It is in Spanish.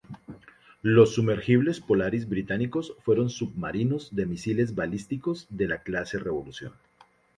Los sumergibles Polaris británicos fueron submarinos de misiles balísticos de la "clase Resolución".